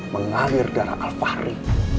mengalir darah al fahri